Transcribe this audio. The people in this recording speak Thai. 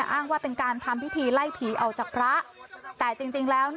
อ้างว่าเป็นการทำพิธีไล่ผีออกจากพระแต่จริงแล้ว